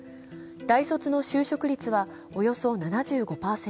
大卒の就職率は、およそ７５％。